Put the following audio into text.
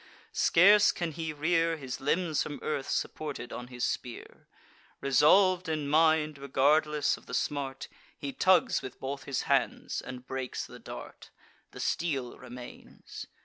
Scarce can he rear His limbs from earth, supported on his spear. Resolv'd in mind, regardless of the smart, He tugs with both his hands, and breaks the dart. The steel remains.